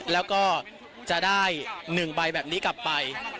แล้วก็จะได้๑ใบแบบนี้กลับไป